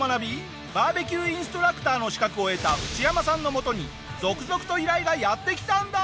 バーベキューインストラクターの資格を得たウチヤマさんの元に続々と依頼がやってきたんだ！